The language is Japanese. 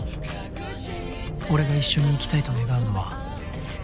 「俺が一緒に生きたいと願うのは」